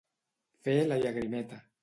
Fer la llagrimeta.